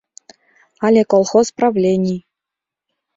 Але колхоз правлений